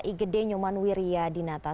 igd nyoman wiria di natas